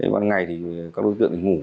vào ngày thì các đối tượng thì ngủ